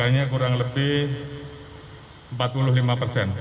hanya kurang lebih empat puluh lima persen